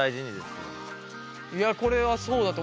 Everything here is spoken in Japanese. いやこれはそうだと。